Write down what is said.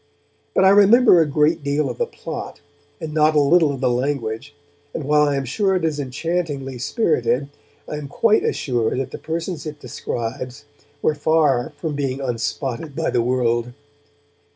But I remember a great deal of the plot and not a little of the language, and, while I am sure it is enchantingly spirited, I am quite as sure that the persons it describes were far from being unspotted by the world.